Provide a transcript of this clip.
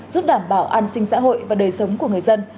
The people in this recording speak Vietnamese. giúp đảm bảo an sinh xã hội và đời sống của người dân